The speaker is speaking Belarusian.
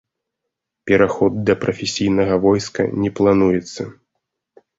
Пераход да прафесійнага войска не плануецца.